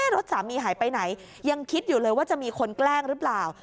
รถสามีหายไปไหนยังคิดอยู่เลยว่าจะมีคนแกล้งหรือเปล่า